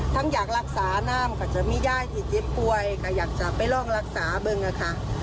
อยากรักษาน้ำก็จะมียายที่เจ็บป่วยก็อยากจะไปร่องรักษาบึ้งอะค่ะ